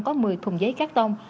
có một mươi thùng giấy cát tông